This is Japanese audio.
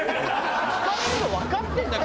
聞かれるのわかってんだから！